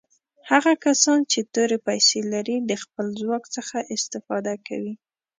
هغه کسان چې تورې پیسي لري د خپل ځواک څخه استفاده کوي.